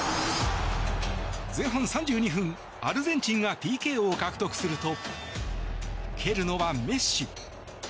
前半３２分、アルゼンチンがＰＫを獲得すると蹴るのはメッシ。